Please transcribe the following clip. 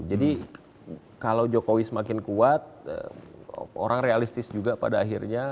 jadi kalau jokowi semakin kuat orang realistis juga pada akhirnya